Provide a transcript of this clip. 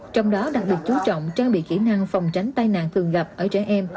trong đó đặc biệt chú trọng trang bị kỹ năng phòng tránh tai nạn thường gặp ở trẻ em